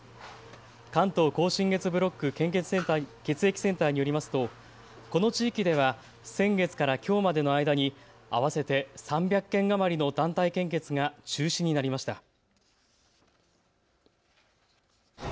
関東甲信越ブロック血液センターによりますとこの地域では先月からきょうまでの間に合わせて３００件余りの団体献血が中止になりました。